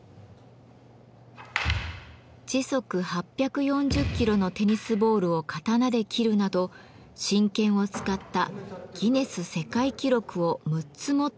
時速８４０キロのテニスボールを刀で斬るなど真剣を使ったギネス世界記録を６つ持っている現代の侍です。